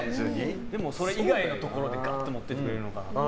でも、それ以外のところでガッともっていってくれるのかなと。